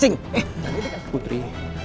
eh jangan deket deket putri